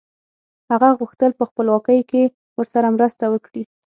هغه غوښتل په خپلواکۍ کې ورسره مرسته وکړي.